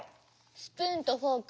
スプーンとフォーク